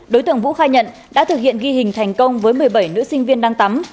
đối tượng vũ khai nhận đã thực hiện ghi hình thành công với một mươi bảy nữ sinh viên đang tắm